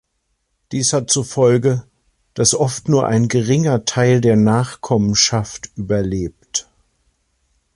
Dies hat zur Folge, dass oft nur ein geringer Teil der Nachkommenschaft überlebt.